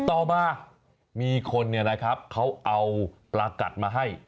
ต่อมามีคนเนี่ยนะครับเขาเอาปลากัดมาให้